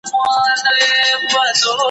چي پخوا چېرته په ښار د نوبهار کي